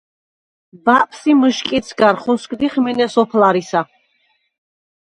ბაპს ი მჷშკიდს გარ ხოსგდიხ მინე სოფლარისა.